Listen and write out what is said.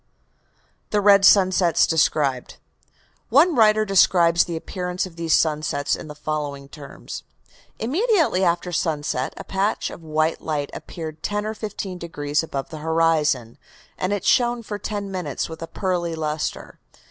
THE RED SUNSETS DESCRIBED One writer describes the appearance of these sunsets in the following terms: "Immediately after sunset a patch of white light appeared ten or fifteen degrees above the horizon, and shone for ten minutes with a pearly lustre.